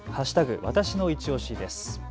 わたしのいちオシです。